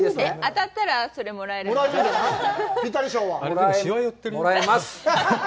当たったら、それもらえるの？もらえます。